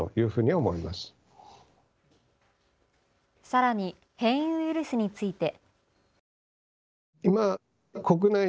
さらに変異ウイルスについて。